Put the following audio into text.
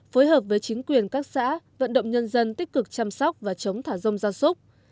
phối hợp với chính quyền các xã vận động nhân dân tích cực chăm sóc và chống thả rông gia súc